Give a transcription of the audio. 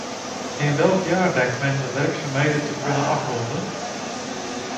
In welk jaar denkt men de werkzaamheden te kunnen afronden?